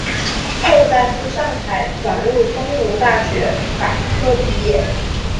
后在赴上海转入东吴大学法科毕业。